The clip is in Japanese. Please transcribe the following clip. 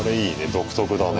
独特だね。